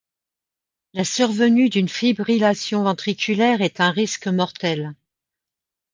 La survenue d'une fibrillation ventriculaire est un risque mortel.